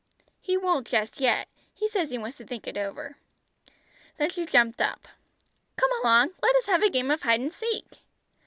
"He won't just yet. He says he wants to think it over." Then she jumped up. "Come along, let us have a game of hide and seek."